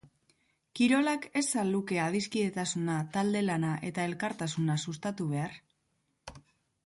Kirolak ez al luke adiskidetasuna, talde lana eta elkartasuna sustatu behar?